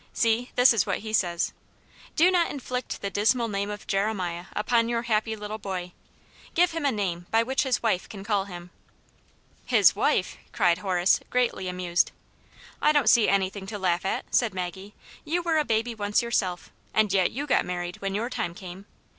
See, this is what he says :"* Do not inflict the dismal name of Jeremiah upon your happy little boy. Give him a name by which his wife can call him.'" •* His wife 1 " cried Horace, greatly amused. I don't see anything to laugh at," said Maggie, " You were a baby once yourself, and yet you got married when your time came.